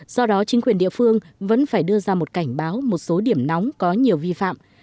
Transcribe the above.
do đó chính quyền địa phương vẫn phải đưa ra một cảnh báo một số điểm nóng có nhiều vi phạm